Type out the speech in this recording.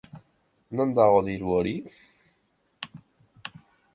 Non dago diru hori?